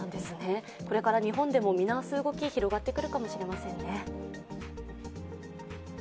これから日本でも見直す動き、広がってくるかもしれませんね